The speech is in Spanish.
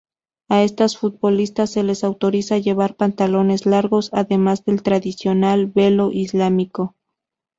A estas futbolistas se les autoriza llevar pantalones largos además del tradicional velo islámico.